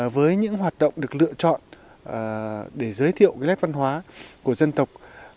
với những hoạt động được lựa chọn để giới thiệu cái lét văn hóa của dân tộc